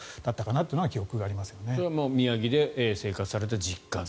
それは宮城で生活された実感と。